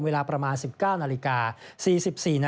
เวลาประมาณ๑๙น๔๔น